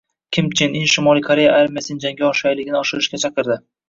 Kim Chen In Shimoliy Koreya armiyasining jangovar shayligini oshirishga chaqirdi